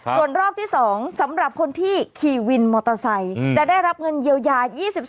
ส่วนรอบที่๒สำหรับคนที่ขี่วินมอเตอร์ไซค์จะได้รับเงินเยียวยา๒๒